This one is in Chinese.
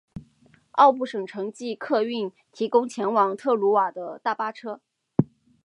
奥布省城际客运提供前往特鲁瓦的大巴车。